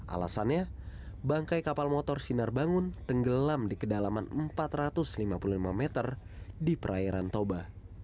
alasannya bangkai kapal motor sinar bangun tenggelam di kedalaman empat ratus lima puluh lima meter di perairan toba